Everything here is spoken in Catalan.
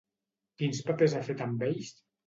Quins papers ha fet amb ells?